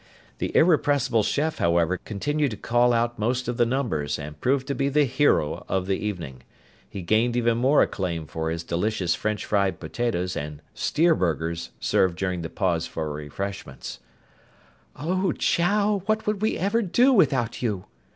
The irrepressible chef, however, continued to call out most of the numbers and proved to be the hero of the evening. He gained even more acclaim for his delicious French fried potatoes and "steerburgers" served during the pause for refreshments. "Oh, Chow! What would we ever do without you?"